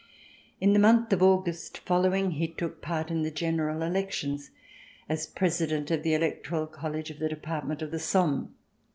In the month of August following, he took part in the general elections as President of the Electoral College of the Department of the Somme.